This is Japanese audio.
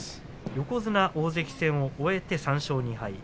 横綱大関戦を終えて３勝２敗。